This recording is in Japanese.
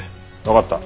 わかった。